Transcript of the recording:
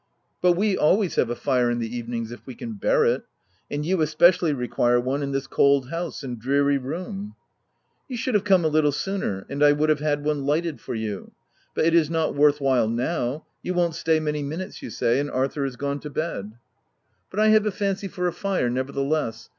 " But we always have a fire in the evenings — if we can bear it ;— and you, especially require one in this cold house and dreary room." OF WILDFELL HALL. 203 " You should have come a little sooner, and I would have had one lighted for you ; but it is not worth while now — you won't stay many mi nutes you say, and Arthur is gone to bed." " But I have a fancy for a fire, nevertheless.